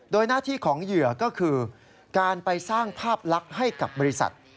โดยหน้าที่ของเหยื่อก็คือการไปสร้างภาพลักษณ์ให้กับบริษัท